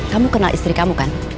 kamu kenal istri kamu kan